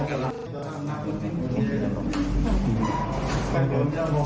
อยากให้เปิดใจอย่างนี้